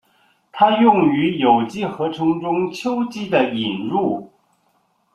它用于有机合成中巯基的引入。